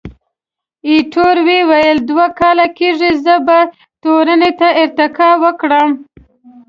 ایټور وویل، دوه کاله کېږي، زه به تورنۍ ته ارتقا وکړم.